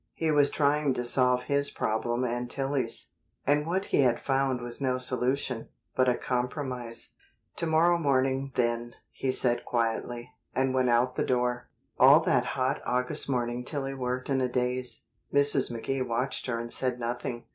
He was trying to solve his problem and Tillie's, and what he had found was no solution, but a compromise. "To morrow morning, then," he said quietly, and went out the door. All that hot August morning Tillie worked in a daze. Mrs. McKee watched her and said nothing.